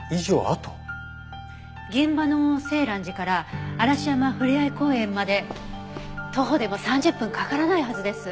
現場の静嵐寺から嵐山ふれあい公園まで徒歩でも３０分かからないはずです。